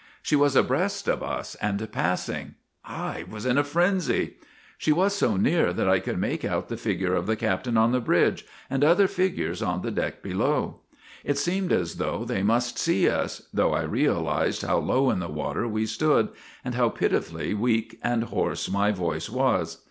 " She was abreast of us, and passing. I was in a frenzy! ' She was so near that I could make out the figure of the captain on the bridge, and other figures on the deck below. It seemed as though they must see us, though I realized how low in the water we stood, and how pitifully weak and hoarse my voice was.